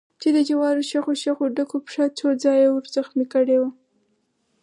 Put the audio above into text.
چې د جوارو شخو شخو ډکو پښه څو ځایه ور زخمي کړې وه.